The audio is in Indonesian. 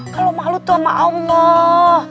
kalau malu tuh sama allah